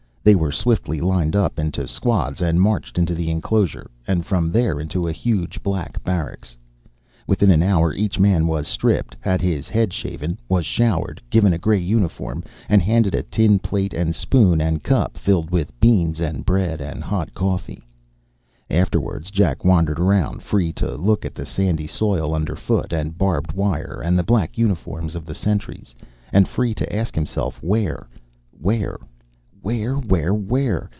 They were swiftly lined up into squads and marched into the enclosure and from there into a huge black barracks. Within an hour each man was stripped, had his head shaven, was showered, given a grey uniform, and handed a tin plate and spoon and cup filled with beans and bread and hot coffee. Afterwards, Jack wandered around, free to look at the sandy soil underfoot and barbed wire and the black uniforms of the sentries, and free to ask himself where, where, wherewherewhere?